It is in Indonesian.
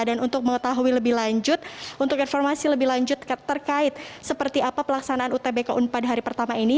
dan untuk mengetahui lebih lanjut untuk informasi lebih lanjut terkait seperti apa pelaksanaan utbk unpad hari pertama ini